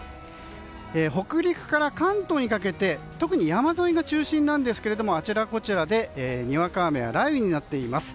北陸から関東にかけて、特に山沿いが中心なんですけれどもあちらこちらでにわか雨や雷雨になっています。